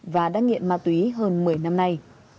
và đang nghiện ma túy hơn một mươi năm nay